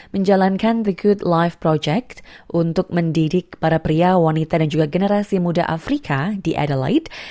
menjalankan the good life project untuk mendidik para pria wanita dan juga generasi muda afrika di adelaide